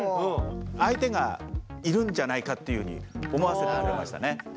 相手がいるんじゃないかっていうふうに思わせてくれましたね。